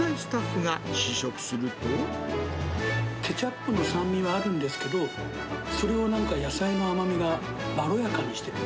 ケチャップの酸味はあるんですけど、それをなんか野菜の甘みがまろやかにしてくれる。